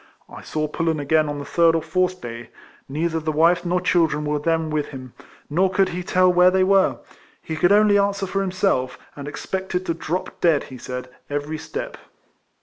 I saw Pullen again on the third or fourth day ; neither the wife nor 140 RECOLLECTIONS OF children were then with him, nor could he tell ichere they were ; he could only answer for himself, and expected to drop dead, he said, every step.